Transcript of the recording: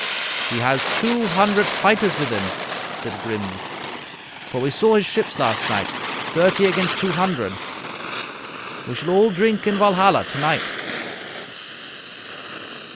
"'He has two hundred fighters with him,' said Grim; 'for we saw his ships last night. Thirty against two hundred! We shall all drink in Valhalla to night.'